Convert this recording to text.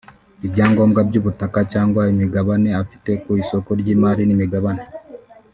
ibyangombwa by’ubutaka cyangwa imigabane afite ku isoko ry’imari n’imigabane